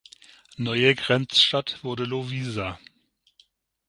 Neue Grenzstadt wurde Loviisa.